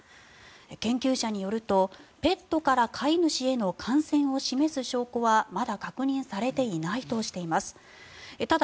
研究者によるとペットから飼い主への感染を示す証拠はまだ確認されていないとしています。